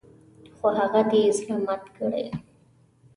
خو هغه دې زړه مات کړي .